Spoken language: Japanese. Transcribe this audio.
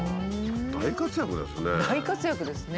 大活躍ですね。